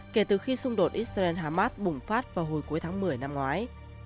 kể từ khi xung đột israel hamas bùng phát vào hồi cuối tháng một mươi năm ngoái